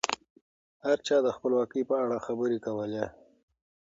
هر چا د خپلواکۍ په اړه خبرې کولې.